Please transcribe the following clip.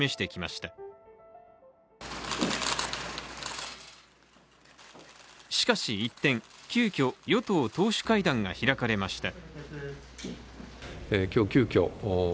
しかし一転、急きょ与党党首会談が開かれました。